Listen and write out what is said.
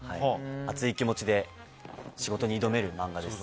熱い気持ちで仕事に挑める漫画です。